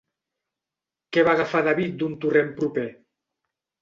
Què va agafar David d'un torrent proper?